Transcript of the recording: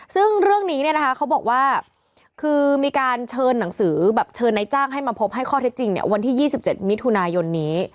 ซึ่งเรื่องนี้เนี่ยนะคะเขาบอกว่าคือมีการเชิญหนังสือแบบเชิญนายจ้างให้มาพบให้ข้อเท็จจริงเนี่ยวันที่๒๗มิถุนายนนี้